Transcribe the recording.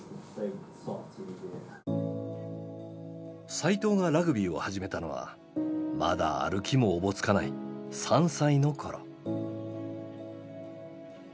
齋藤がラグビーを始めたのはまだ歩きもおぼつかない３歳の頃。